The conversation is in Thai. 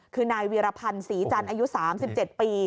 คือนายวีรพันธ์ศรีจันทร์อายุสามสิบเจ็ดปี